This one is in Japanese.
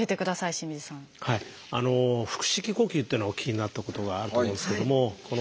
「腹式呼吸」というのをお聞きになったことがあると思うんですけども。